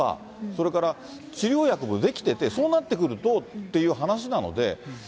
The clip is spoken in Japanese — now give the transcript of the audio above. それから治療薬も出来てて、そうなってくるとっていう話なので。